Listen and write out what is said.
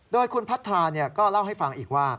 โดยคุณพัทราก็เล่าให้ฟังอีกว่า